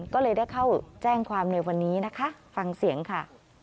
ก็เลยได้เข้าแจ้งความในวันนี้นะคะฟังเสียงค่ะ